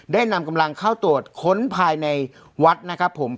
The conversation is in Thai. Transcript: นำกำลังเข้าตรวจค้นภายในวัดนะครับผม